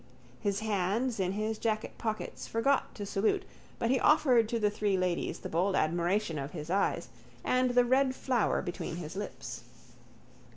His hands in his jacket pockets forgot to salute but he offered to the three ladies the bold admiration of his eyes and the red flower between his lips.